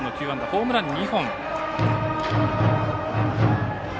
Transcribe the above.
ホームラン２本。